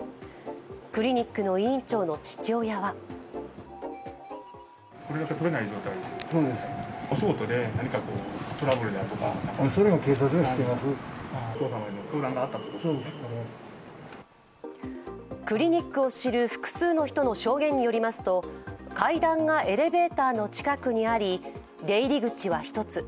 クリニックの院長の父親はクリニックを知る複数の人の証言によりますと階段がエレベーターの近くにあり出入り口は１つ。